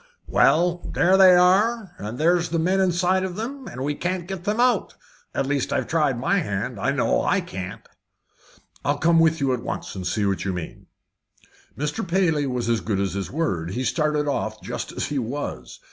"Well, there they are, and there's the men inside of them, and we can't get 'em out at least I've tried my hand, and I know I can't." "I'll come with you at once, and see what you mean." Mr. Paley was as good as his word. He started off just as he was.